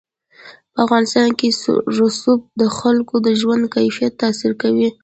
په افغانستان کې رسوب د خلکو د ژوند کیفیت تاثیر کوي.